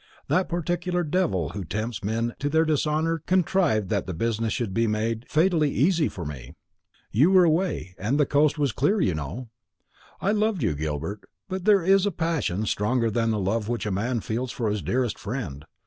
That particular devil who tempts men to their dishonour contrived that the business should be made fatally easy for me. You were away, and the coast was clear, you know. I loved you, Gilbert; but there is a passion stronger than the love which a man feels for his dearest friend.